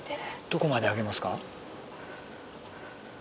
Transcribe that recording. どこまで上げますか？